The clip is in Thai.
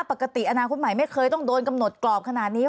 ปกติอนาคตใหม่ไม่เคยต้องโดนกำหนดกรอบขนาดนี้